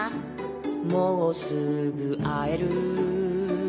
「もうすぐあえる」